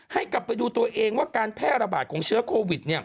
ให้กลับไปดูตัวเองว่าการแพร่ระบาดของเชื้อโควิด